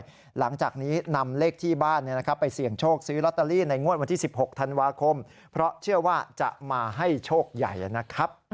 หลังจากนี้นำเลขที่บ้านไปเสี่ยงโชคซื้อลอตเตอรี่ในงวดวันที่๑๖ธันวาคมเพราะเชื่อว่าจะมาให้โชคใหญ่นะครับ